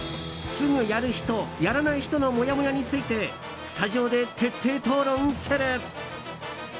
すぐやる人、やらない人のモヤモヤについてスタジオで徹底討論する！